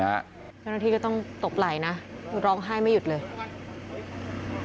เจ้าหน้าที่ก็ต้องตกไหลนะร้องไห้ไม่หยุดเลย